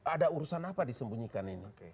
ada urusan apa disembunyikan ini